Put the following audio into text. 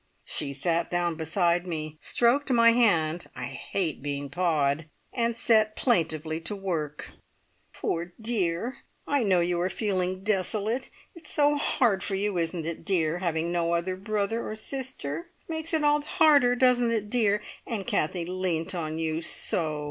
She sat down beside me, stroked my hand (I hate being pawed!) and set plaintively to work. "Poor dear! I know you are feeling desolate. It's so hard for you, isn't it, dear, having no other brother or sister? Makes it all the harder, doesn't it, dear! And Kathie leant on you so!